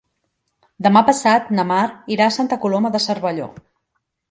Demà passat na Mar irà a Santa Coloma de Cervelló.